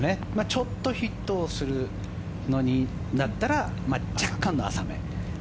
ちょっとヒットをするのになったら若干の浅め。